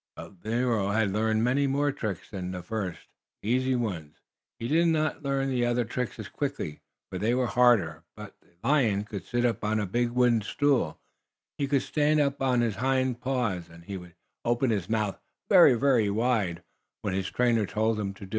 But Nero had learned many more tricks than this first, easy one. He did not learn the other tricks as quickly, for they were harder, but the lion could sit up on a big wooden stool, he could stand up on his hind paws, and he would open his mouth very wide when his trainer told him to.